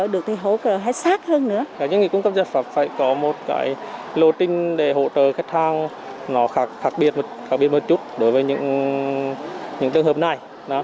đối với những tương hợp này